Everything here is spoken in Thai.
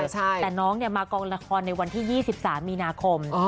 แต่น้องมากองละครในวันที่๒๓มีนาคม